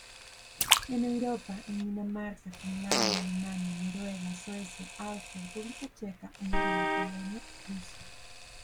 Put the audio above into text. En Europa en Dinamarca, Finlandia, Alemania, Noruega, Suecia, Austria, República Checa, Hungría, Polonia, Rusia.